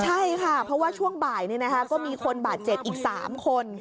ใช่ค่ะเพราะว่าช่วงบ่ายก็มีคนบาดเจ็บอีก๓คน